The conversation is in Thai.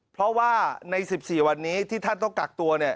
เพราะว่าใน๑๔วันนี้ที่ท่านต้องกักตัว